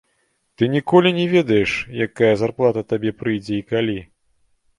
Ты ніколі не ведаеш, якая зарплата табе прыйдзе і калі.